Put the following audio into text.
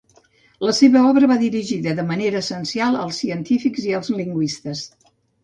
La seva obra va dirigida, de manera essencial, als científics i als lingüistes.